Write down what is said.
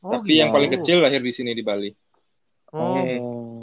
tapi yang paling kecil lahir di sini di bali